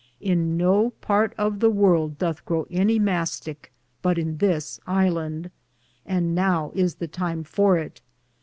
In no parte of the worlde Dothe grow any masticke^ but in this ilande, and now is the time for it.